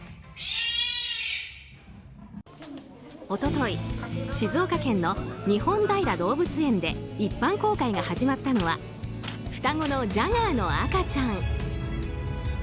一昨日、静岡県の日本平動物園で一般公開が始まったのは双子のジャガーの赤ちゃん。